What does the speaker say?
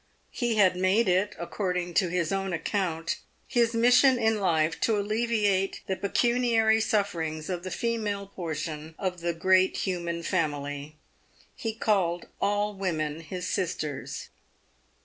He had made it — according to his own account — his mission in life to alleviate the pecuniary sufferings of the female portion of the great human family. He called all women his sisters.